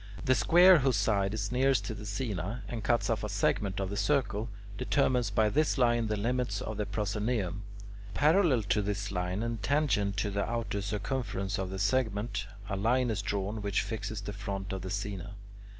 The square whose side is nearest to the "scaena," and cuts off a segment of the circle, determines by this line the limits of the "proscaenium" (A, B). Parallel to this line and tangent to the outer circumference of the segment, a line is drawn which fixes the front of the "scaena" (C D).